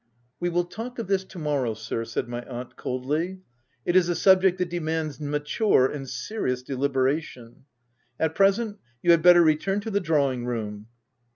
" We will talk of this to morrow, sir," said my aunt, coldly. " It is a subject that de mands mature and serious deliberation. At present, you had better return to the drawing room."